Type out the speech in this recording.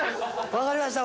分かりました？